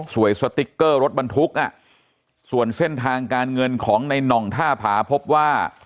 สติ๊กเกอร์รถบรรทุกอ่ะส่วนเส้นทางการเงินของในน่องท่าผาพบว่า